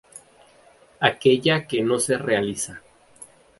Aquella que no se realiza.